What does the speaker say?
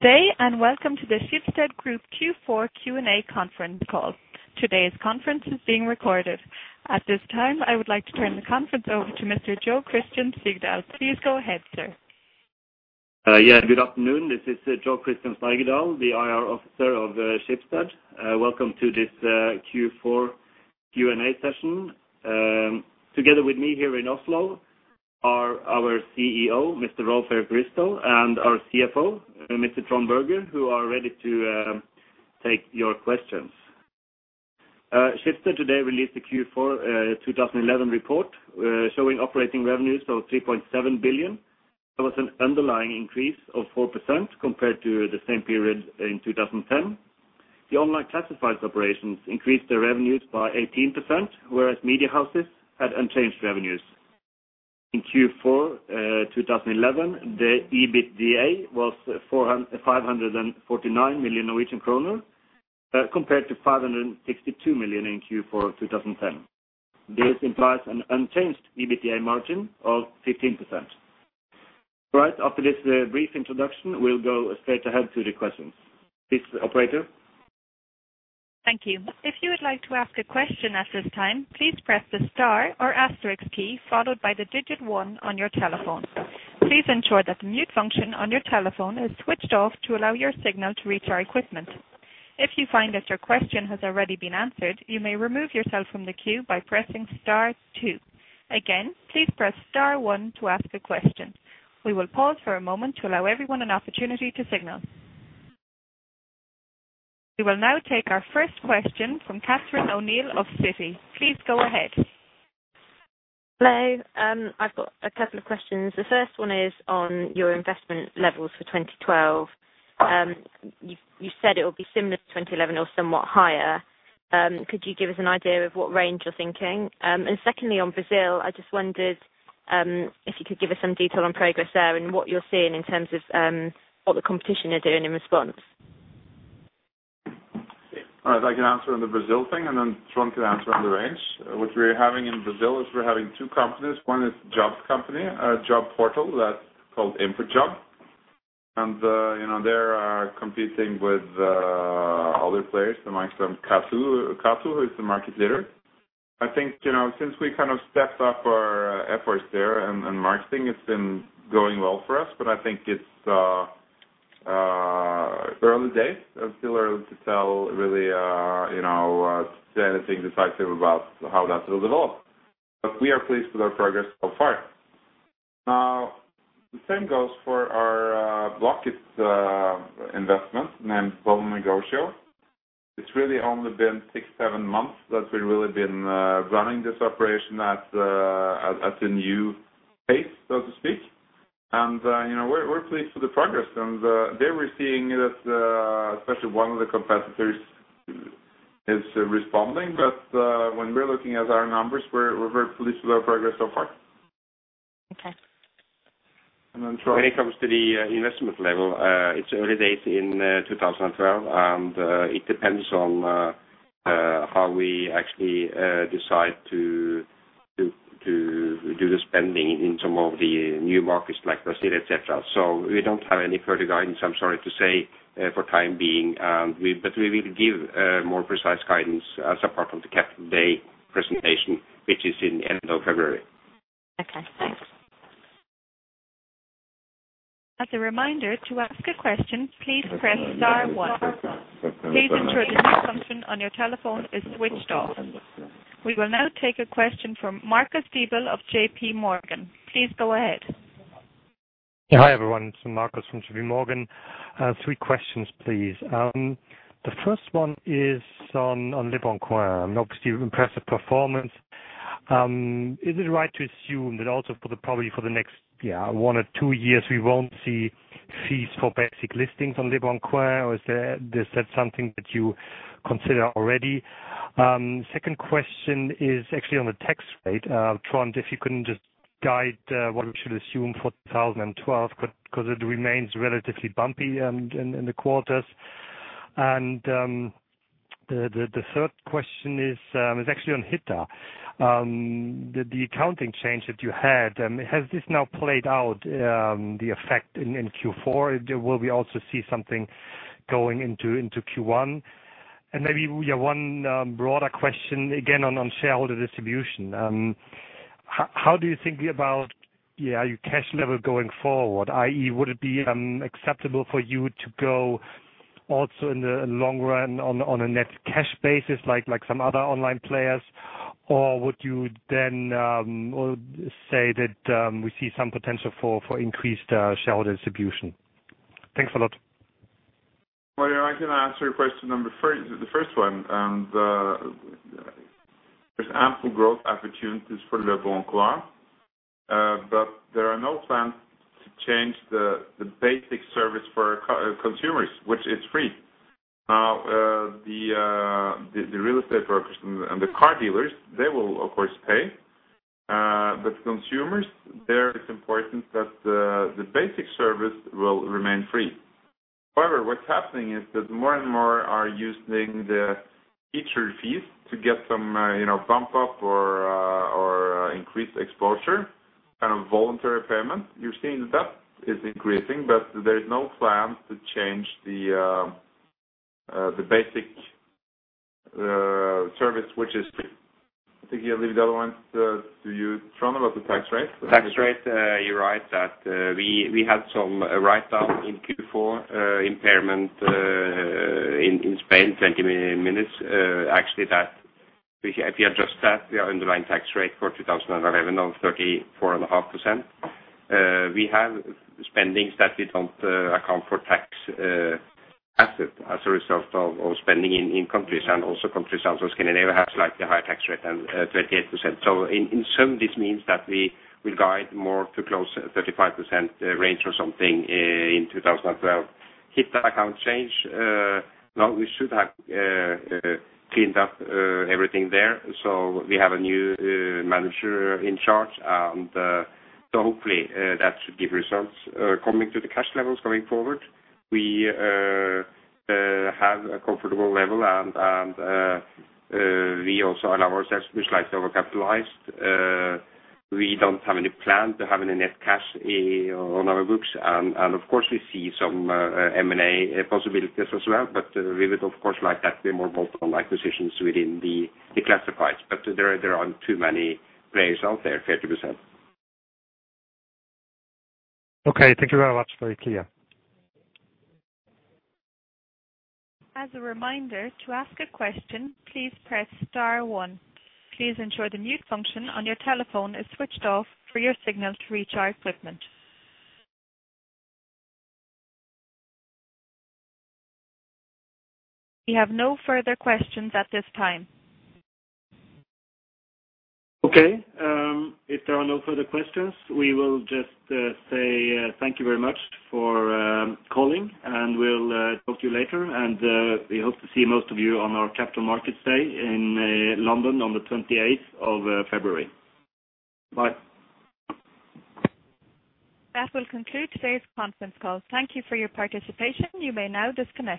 Today and welcome to the Schibsted Group Q4 Q&A conference call. Today's conference is being recorded. At this time, I would like to turn the conference over to Mr. Jo Christian Steigedal. Please go ahead, sir. Yeah, good afternoon. This is Jo Christian Steigedal, the IR officer of Schibsted. Welcome to this Q4 Q&A session. Together with me here in Oslo are our CEO, Mr. Rolv Erik Ryssdal, and our CFO, Mr. Trond Berger, who are ready to take your questions. Schibsted today released the Q4 2011 report, showing operating revenues of 3.7 billion. There was an underlying increase of 4% compared to the same period in 2010. The online classified operations increased their revenues by 18%, whereas media houses had unchanged revenues. In Q4 2011, the EBITDA was 549 million Norwegian kroner, compared to 562 million in Q4 2010. This implies an unchanged EBITDA margin of 15%. Right after this, brief introduction, we'll go straight ahead to the questions. Please, operator. Thank you. If you would like to ask a question at this time, please press the star or asterisk key followed by the digit one on your telephone. Please ensure that the mute function on your telephone is switched off to allow your signal to reach our equipment. If you find that your question has already been answered, you may remove yourself from the queue by pressing star two. Again, please press star one to ask a question. We will pause for a moment to allow everyone an opportunity to signal. We will now take our first question from Catherine O'Neill of Citi. Please go ahead. Hello. I've got a couple of questions. The first one is on your investment levels for 2012. You, you said it will be similar to 2011 or somewhat higher. Could you give us an idea of what range you're thinking? Secondly, on Brazil, I just wondered if you could give us some detail on progress there and what you're seeing in terms of what the competition are doing in response. All right. I can answer on the Brazil thing, and then Trond can answer on the range. What we're having in Brazil is we're having two companies. One is jobs company, a job portal that's called InfoJobs. You know, they are competing with other players, amongst them Catho, who is the market leader. I think, you know, since we kind of stepped up our efforts there and marketing, it's been going well for us, but I think it's early days. It's still early to tell really, you know, say anything decisive about how that will develop. We are pleased with our progress so far. The same goes for our Blocket investment named Bom Negócio. It's really only been six, seven months that we've really been running this operation at a new pace, so to speak. You know, we're pleased with the progress. There we're seeing that especially one of the competitors is responding. When we're looking at our numbers, we're very pleased with our progress so far. Okay. Trond. When it comes to the investment level, it's early days in 2012. It depends on how we actually decide to do the spending in some of the new markets like Brazil, et cetera. We don't have any further guidance, I'm sorry to say, for time being. We will give more precise guidance as a part of the Capital Day presentation, which is in the end of February. Okay, thanks. As a reminder, to ask a question, please press star one. Please ensure the mute function on your telephone is switched off. We will now take a question from Marcus Diebel of JPMorgan. Please go ahead. Hi, everyone. It's Marcus from JPMorgan. Three questions, please. The first one is on leboncoin. Obviously, impressive performance. Is it right to assume that also probably for the next, yeah, one or two years, we won't see fees for basic listings on leboncoin? Is that something that you consider already? Second question is actually on the tax rate. Trond, if you can just guide what we should assume for 2012 because it remains relatively bumpy in the quarters. The third question is actually on Hitta. The accounting change that you had has this now played out the effect in Q4? Will we also see something going into Q1? Maybe we have one broader question again on shareholder distribution. How do you think about, yeah, your cash level going forward, i.e., would it be acceptable for you to go also in the long run on a net cash basis like some other online players? Would you then say that we see some potential for increased shareholder distribution? Thanks a lot. Well, I can answer your question number first, the first one. there's ample growth opportunities for leboncoin, but there are no plans to change the basic service for consumers, which is free. Now, the real estate brokers and the car dealers, they will of course pay. consumers, there it's important that the basic service will remain free. However, what's happening is that more and more are using the feature fees to get some, you know, bump up or increased exposure. Voluntary payment. You're seeing that is increasing, but there is no plan to change the basic, service, which is to give the other ones to you, Trond, about the tax rate. Tax rate, you're right that we had some write-down in Q4, impairment in Spain, 20 million. Actually, if you adjust that, the underlying tax rate for 2011 of 34.5%. We have spending that we don't account for tax asset as a result of spending in countries and also Scandinavia has slightly higher tax rate than 38%. In sum, this means that we will guide more to close 35% range or something in 2012. Hitta account change, now we should have cleaned up everything there. We have a new manager in charge, hopefully that should give results. Coming to the cash levels going forward, we have a comfortable level and, we also allow ourselves, we're slightly overcapitalized. We don't have any plan to have any net cash on our books. Of course, we see some M&A possibilities as well. We would of course like that to be more focused on acquisitions within the classifieds. There aren't too many players out there, 30%. Okay, thank you very much. Very clear. As a reminder, to ask a question, please press star one. Please ensure the mute function on your telephone is switched off for your signal to reach our equipment. We have no further questions at this time. Okay. If there are no further questions, we will just say thank you very much for calling, and we'll talk to you later. We hope to see most of you on our Capital Markets Day in London on the 28th of February. Bye. That will conclude today's conference call. Thank you for your participation. You may now disconnect.